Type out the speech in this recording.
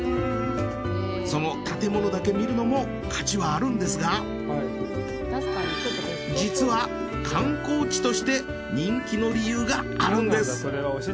その建物だけ見るのも価値はあるんですが実は観光地として人気の理由があるんです。